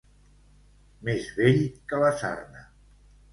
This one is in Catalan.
Més vell que la sarna.